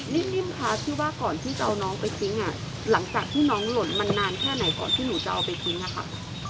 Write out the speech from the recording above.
นิ่มคะที่ว่าก่อนที่จะเอาน้องไปทิ้งหลังจากที่น้องหล่นมันนานแค่ไหนก่อนที่หนูจะเอาไปทิ้งอะค่ะ